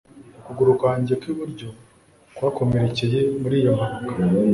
Ukuguru kwanjye kwiburyo kwakomerekeye muri iyo mpanuka